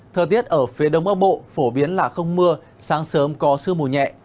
thời tiết ở phía đông bắc bộ phổ biến là không mưa sáng sớm có sương mù nhẹ